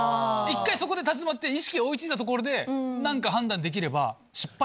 一回そこで立ち止まって意識が追い付いたところで何か判断できれば。